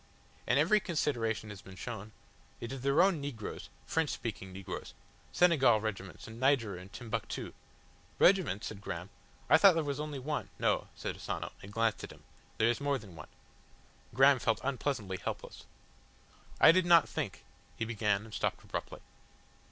"And every consideration has been shown. It is their own negroes French speaking negroes. Senegal regiments, and Niger and Timbuctoo." "Regiments?" said Graham, "I thought there was only one " "No," said Asano, and glanced at him. "There is more than one." Graham felt unpleasantly helpless. "I did not think," he began and stopped abruptly.